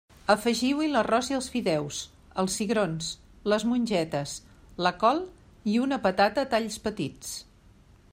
Afegiu-hi l'arròs i els fideus, els cigrons, les mongetes, la col i una patata a talls petits.